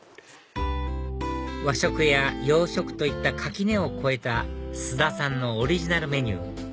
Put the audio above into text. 和食や洋食といった垣根を越えた須田さんのオリジナルメニュー